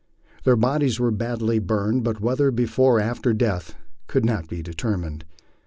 Their bodies were badly burned, but whether before or after death could not be determined.